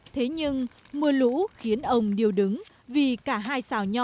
thế nhưng mưa lũ khiến ông điên rồ đánh dấu đánh dấu đánh dấu đánh dấu đánh dấu đánh dấu đánh dấu đánh dấu đánh dấu